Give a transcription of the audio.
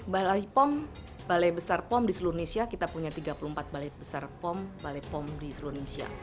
balai pom balai besar pom di seluruh indonesia kita punya tiga puluh empat balai besar pom balai pom di seluruh indonesia